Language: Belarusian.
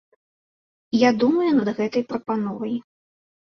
Я думаю над гэтай прапановай.